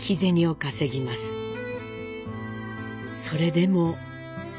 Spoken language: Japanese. それでも。